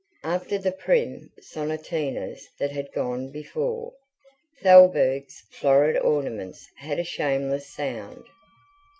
After the prim sonatinas that had gone before, Thalberg's florid ornaments had a shameless sound.